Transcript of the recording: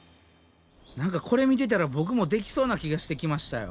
何かこれ見てたらボクもできそうな気がしてきましたよ。